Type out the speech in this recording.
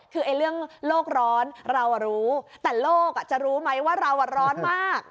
คือเรื่องโลกร้อนเรารู้แต่โลกจะรู้ไหมว่าเราร้อนมาก